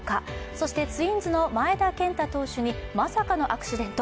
そして、ツインズの前田健太投手にまさかのアクシデント。